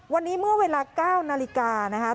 วันนี้เมื่อเวลา๙นาฬิกานะครับ